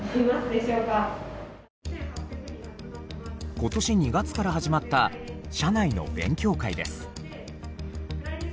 今年２月から始まった社内の勉強会です。